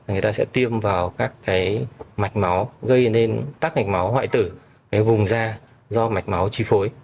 người ta sẽ tiêm vào các mạch máu gây nên các mạch máu hoại tử cái vùng da do mạch máu chi phối